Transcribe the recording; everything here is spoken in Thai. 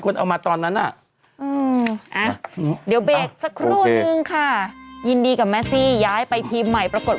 ก็เป็นตัวเป็นอย่างไรบ้างตอนนี้น้อง